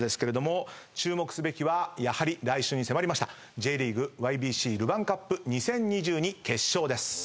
注目すべきはやはり来週に迫りましたＪリーグＹＢＣルヴァンカップ２０２２決勝です。